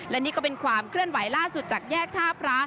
และนี่ก็เป็นความเคลื่อนไหวล่าสุดจากแยกท่าพระ